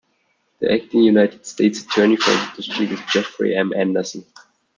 The Acting United States Attorney for the district is Jeffrey M. Anderson.